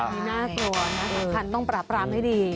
นี่น่ากลัวนะคันต้องปรับปรามให้ดี